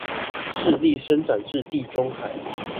勢力伸展至地中海